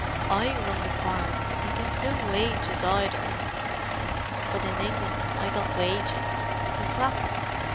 I run the farm, and get no wages, either. But in England I got wages. In Clapham.